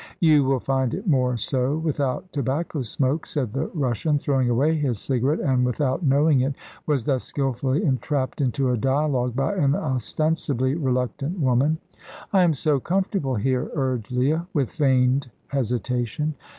"You will find it more so without tobacco smoke," said the Russian, throwing away his cigarette, and, without knowing it, was thus skilfully entrapped into a duologue by an ostensibly reluctant woman. "I am so comfortable here," urged Leah, with feigned hesitation.